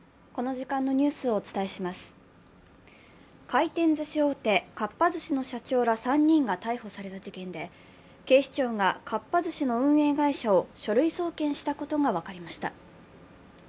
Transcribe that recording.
回転ずし大手、かっぱ寿司の社長ら３人が逮捕された事件で警視庁がかっぱ寿司の運営会社を書類送検したことが分かりました。